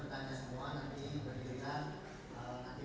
itu dimana diberi hati hati